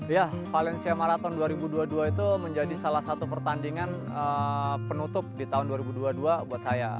ya valencia marathon dua ribu dua puluh dua itu menjadi salah satu pertandingan penutup di tahun dua ribu dua puluh dua buat saya